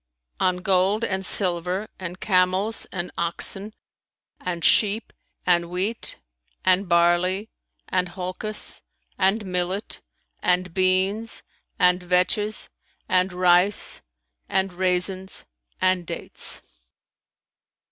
"On gold and silver and camels and oxen and sheep and wheat and barley and holcus and millet and beans and vetches and rice and raisins and dates."